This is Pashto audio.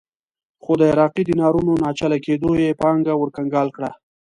خو د عراقي دینارونو ناچله کېدو یې پانګه ورکنګال کړه.